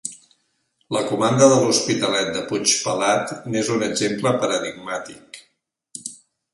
La comanda de l'Hospitalet de Puigpelat n'és un exemple paradigmàtic.